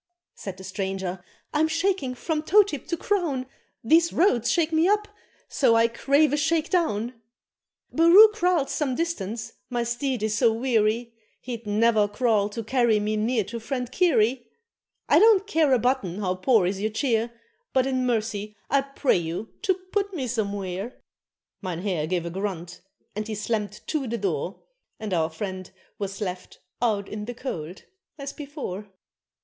Said the stranger, "I'm shaking from toe tip to crown, These roads shake me up, so I crave a shake down! Barroo Kraal's some distance, my steed is so weary, He'd ne'er crawl to carry me near to friend Cary. I don't care a button how poor is your cheer, But in mercy I pray you to put me somewhere." Mynheer gave a grunt, and he slammed to the door, And our friend was "left out in the cold" as before.